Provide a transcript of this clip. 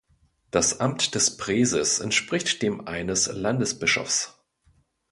Das Amt des Präses entspricht dem eines Landesbischofs.